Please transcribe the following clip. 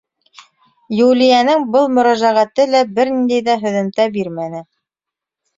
Юлияның был мөрәжәғәте лә бер ниндәй ҙә һөҙөмтә бирмәне.